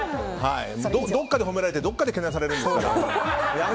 どこかで褒められてどっかでけなされるんですから。